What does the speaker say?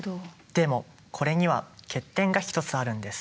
でもこれには欠点が１つあるんです。